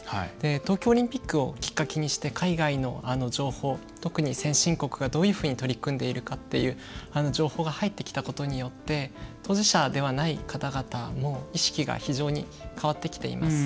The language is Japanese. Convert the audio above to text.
東京オリンピックをきっかけにして、海外の情報特に先進国が、どういうふうに取り組んでいるかっていう情報が入ってきたことによって当事者ではない方々の意識が非常に変わってきています。